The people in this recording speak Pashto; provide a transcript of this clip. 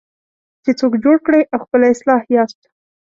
چې څوک جوړ کړئ او خپله اصلاح یاست.